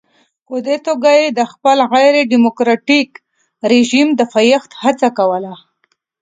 په دې توګه یې د خپل غیر ډیموکراټیک رژیم د پایښت هڅه کوله.